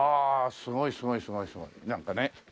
すごいすごいすごいなんかね。